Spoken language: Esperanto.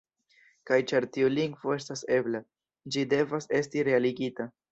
Kaj ĉar tiu lingvo estas ebla, ĝi devas esti realigita.